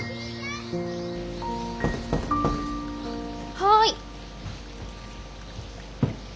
はい。